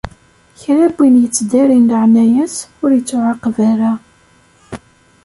Kra n win yettdarin leɛnaya-s, ur ittuɛaqab ara.